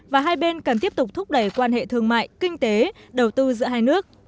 và hai bên cần tiếp tục thúc đẩy quan hệ thương mại kinh tế đầu tư giữa hai nước